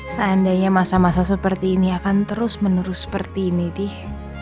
seandainya masa masa seperti ini akan terus menerus seperti ini deh